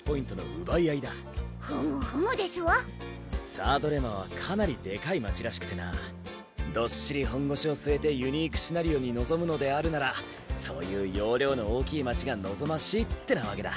サードレマはかなりでかい街らしくてなどっしり本腰を据えてユニークシナリオに臨むのであるならそういう容量の大きい街が望ましいってなわけだ。